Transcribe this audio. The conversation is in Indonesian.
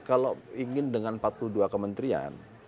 kalau ingin dengan empat puluh dua kementerian